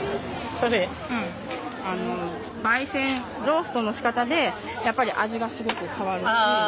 焙煎ローストのしかたでやっぱり味がすごく変わるし。